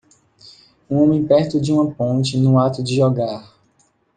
Um homem perto de uma ponte no ato de jogar